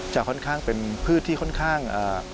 ค่อนข้างเป็นพืชที่ค่อนข้าง